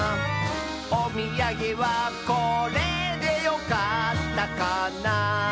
「おみやげはこれでよかったかな」